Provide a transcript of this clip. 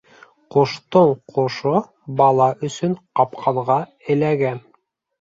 Ҡоштоң ҡошо бала өсөн ҡапҡанға эләгә.